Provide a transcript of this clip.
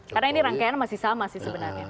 karena ini rangkaian masih sama sih sebenarnya